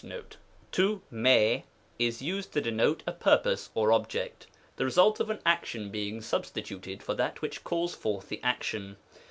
with tov* tov /u//^ is used to denote a purpose or object ; the result of an action being substituted for that which calls forth the action.